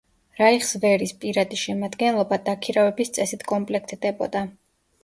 რაიხსვერის პირადი შემადგენლობა დაქირავების წესით კომპლექტდებოდა.